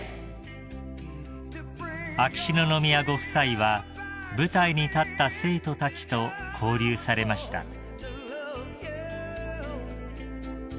［秋篠宮ご夫妻は舞台に立った生徒たちと交流されました］